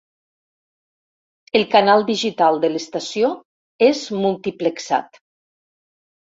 El canal digital de l'estació és multiplexat.